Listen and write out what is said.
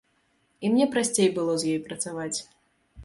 І мне прасцей было з ёй працаваць.